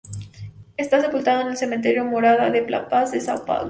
Está sepultado en el Cementerio Morada da Paz de São Paulo.